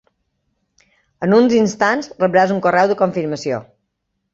En uns instants rebràs un correu de confirmació.